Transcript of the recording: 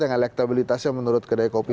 yang elektabilitasnya menurut kedai kopi